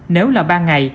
nếu là ban ngày